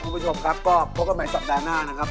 คุณผู้ชมครับก็พบกันใหม่สัปดาห์หน้านะครับ